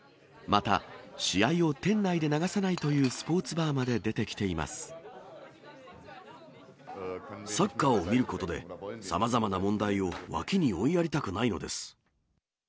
また試合を店内で流さないというスポーツバーまで出てきていサッカーを見ることで、さまざまな問題を脇に追いやりたくないのです。